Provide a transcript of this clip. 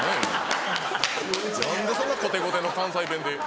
何でそんなこてこての関西弁で。